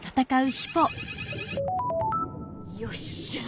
よっしゃあ